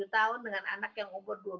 tujuh tahun dengan anak yang umur dua belas